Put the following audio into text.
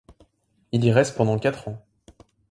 Il y reste pendant quatre ans.